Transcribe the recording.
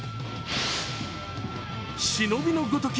忍びのごとき